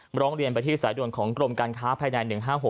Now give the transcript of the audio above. ร้องเรียนไปที่สายด่วนของกรมการค้าภายใน๑๕๖